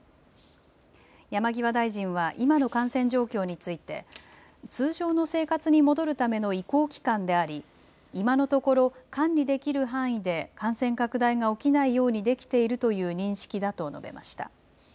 山際大臣は今の感染状況について通常の生活に戻るための移行期間であり今のところ管理できる範囲で感染拡大が起きないようにできているという認識だと述べました。